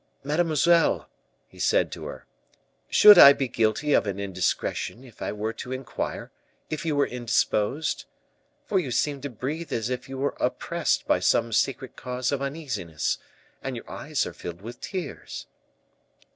"Mademoiselle," he said to her, "should I be guilty of an indiscretion if I were to inquire if you were indisposed? for you seem to breathe as if you were oppressed by some secret cause of uneasiness, and your eyes are filled with tears."